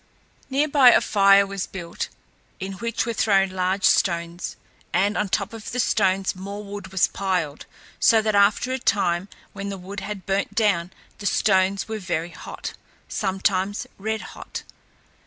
Near by a fire was built, in which were thrown large stones, and on top of the stones more wood was piled; so that after a time, when the wood had burnt down, the stones were very hot sometimes red hot.